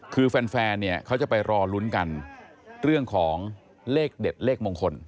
คือแฟนเนี่ยเขาจะไปรอลุ้นกันเรื่องของเลขเด็ดเลขมงคล